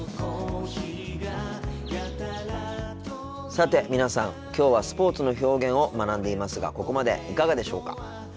さて皆さんきょうはスポーツの表現を学んでいますがここまでいかがでしょうか。